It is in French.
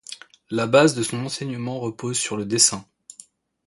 La base de son enseignement repose sur le dessin.